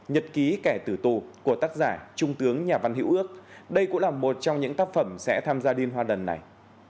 nhật ký kẻ tử tù của tác giả trung tướng nhà văn hữu ước đây cũng là một trong những tác phẩm sẽ tham gia điên hoa lần này